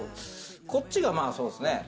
こっちがまあそうですね。